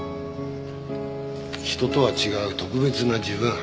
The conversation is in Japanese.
人とは違う特別な自分。